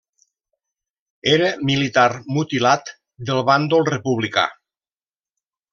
Era militar mutilat del bàndol republicà.